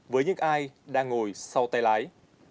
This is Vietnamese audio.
với những ai đang ngồi sau tay lái